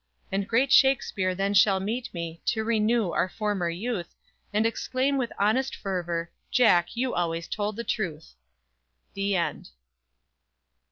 And great Shakspere then shall meet me To renew our former youth, And exclaim with honest fervor "Jack, you always told the truth!"_ THE END.